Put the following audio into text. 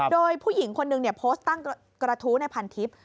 โดยผู้หญิงคนหนึ่งนี่โพสต์ตั้งกระทู้ในพันธุ์ทรีฟ